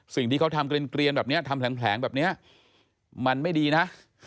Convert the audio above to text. สิ่งที่เขาทำเกลียนแบบนี้ทำแผลงแบบนี้มันไม่ดีนะ